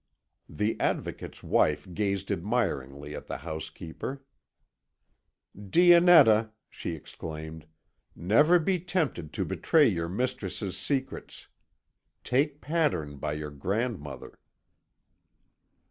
The Advocate's wife gazed admiringly at the housekeeper. "Dionetta," she exclaimed, "never be tempted to betray your mistress's secrets; take pattern by your grandmother."